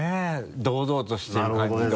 堂々としてる感じとか。